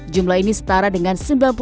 jumlah ini setara dengan